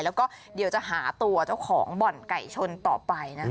แล้วก็เดี๋ยวจะหาตัวเจ้าของบ่อนไก่ชนต่อไปนะคะ